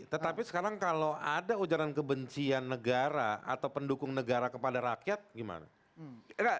tetapi sekarang kalau ada ujaran kebencian negara atau pendukung negara kepada rakyat gimana